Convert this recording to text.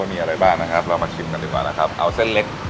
มีอะไรบ้างนะครับเรามาชิมกันดีกว่านะครับเอาเส้นเล็ก